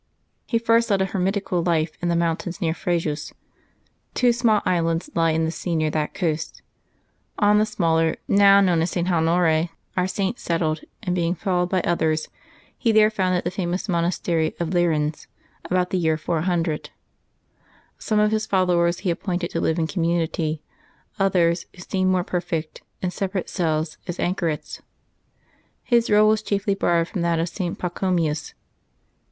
He first led a hermitical life in the mountains near Frejus. Two small islands lie in the sea near that coast ; on the smaller, now known as St. Honore, our Saint settled, and, being followed by others, he there founded the famous monastery of Lerins, about the year 400. Some of his followers he appointed to live in community; others, who seemed more perfect, in separate cells as anchorets. His rule was chiefly borrowed from that of St. Pachomius.